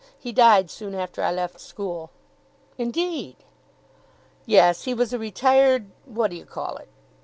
He died soon after I left school.' 'Indeed!' 'Yes. He was a retired what do you call it!